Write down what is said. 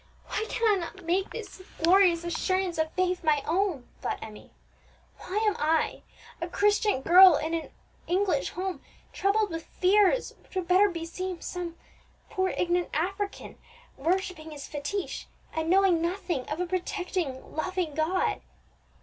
_ "Why cannot I make this glorious assurance of faith my own?" thought Emmie. "Why am I, a Christian girl in an English home, troubled with fears which would better beseem some poor ignorant African, worshipping his fetich, and knowing nothing of a protecting, loving God!